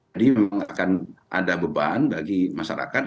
jadi memang akan ada beban bagi masyarakat